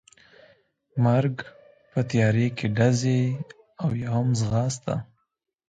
مرګ، په تیارې کې ډزې او یا هم ځغاسته.